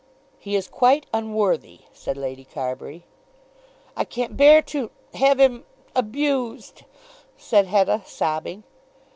"He is quite unworthy," said Lady Carbury. "I can't bear to have him abused," said Hetta sobbing.